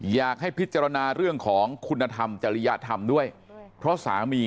อยากให้พิจารณาเรื่องของคุณธรรมจริยธรรมด้วยเพราะสามี